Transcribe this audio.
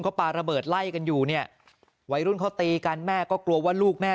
ปลาระเบิดไล่กันอยู่เนี่ยวัยรุ่นเขาตีกันแม่ก็กลัวว่าลูกแม่